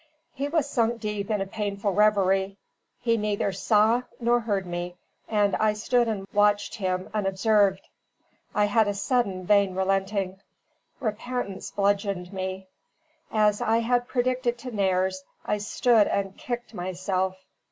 He was sunk deep in a painful reverie; he neither saw nor heard me; and I stood and watched him unobserved. I had a sudden vain relenting. Repentance bludgeoned me. As I had predicted to Nares, I stood and kicked myself.